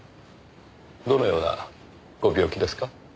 どのようなご病気ですか？